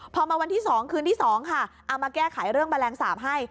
พอมาวันที่๒คืนที่๒ค่ะเอามาแก้ไขเรื่องแมลงสาปให้